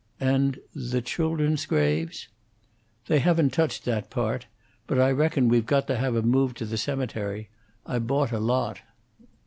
"And the children's graves?" "They haven't touched that part. But I reckon we got to have 'em moved to the cemetery. I bought a lot."